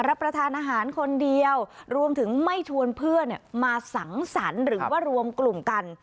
รับประทานอาหารคนเดียวรวมถึงไม่ชวนเพื่อนมาสังสรรค์หรือว่ารวมกลุ่มกัน